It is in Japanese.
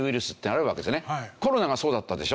コロナがそうだったでしょ。